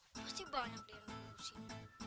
pasti banyak dia yang urusin